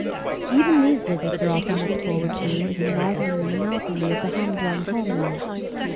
Even these visits are often looked forward to as enlivening the monotony of the humdrum home life.